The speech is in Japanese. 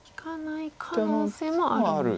利かない可能性もある。